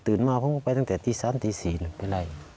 ตื่นมาเพิ่งไปตั้งแต่ตี๓๔หรือไปไหล่